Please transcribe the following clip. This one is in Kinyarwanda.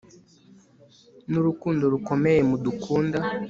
n'urukundo rukomeye mudukunda